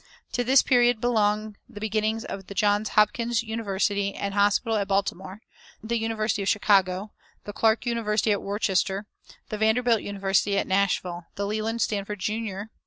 To this period belong the beginnings of the Johns Hopkins University and Hospital at Baltimore, the University of Chicago, the Clarke University at Worcester, the Vanderbilt University at Nashville, the Leland Stanford, Jr.